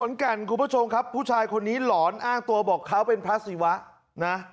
แก่นคุณผู้ชมครับผู้ชายคนนี้หลอนอ้างตัวบอกเขาเป็นพระศิวะนะ